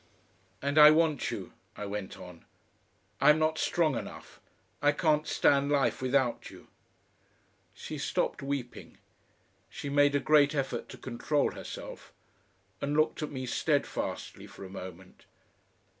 "And I want you," I went on. "I'm not strong enough I can't stand life without you." She stopped weeping, she made a great effort to control herself, and looked at me steadfastly for a moment.